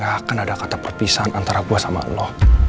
gak akan ada kata perpisahan antara gue sama lo